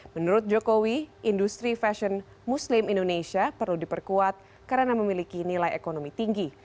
menurut jokowi industri fashion muslim indonesia perlu diperkuat karena memiliki nilai ekonomi tinggi